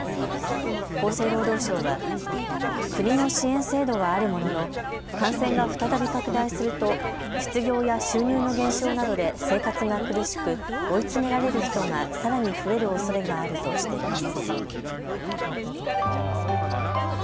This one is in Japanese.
厚生労働省は国の支援制度はあるものの感染が再び拡大すると失業や収入の減少などで生活が苦しく追い詰められる人がさらに増えるおそれがあるとしています。